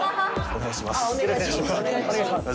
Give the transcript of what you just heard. お願いします。